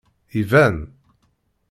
Iban.